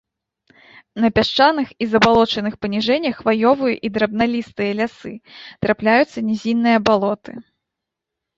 На пясчаных і забалочаных паніжэннях хваёвыя і драбналістыя лясы, трапляюцца нізінныя балоты.